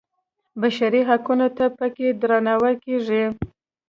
بشري حقونو ته په کې درناوی کېږي.